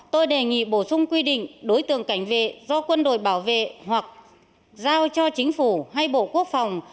tôi đề nghị bổ sung quy định đối tượng cảnh vệ do quân đội bảo vệ hoặc giao cho chính phủ hay bộ quốc phòng